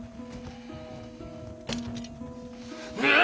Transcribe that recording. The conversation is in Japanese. うわ！